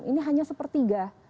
ini hanya sepertiga